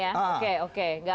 gak ada inform soal ini